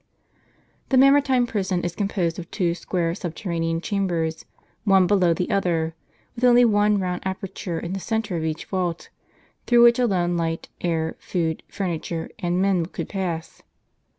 The Mamertine prison is composed of two square subterra nean chambers, one below the other, with only one round aperture in the centre of each vault, through which alone light, air, food, furniture, and men could pass.